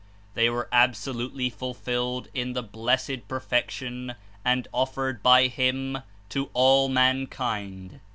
They were absolutely fulfilled in the Blessed Perfection, and offered by Him to all mankind.